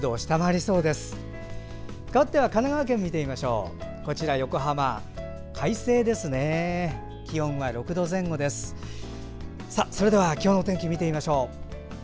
それでは今日のお天気を見てみましょう。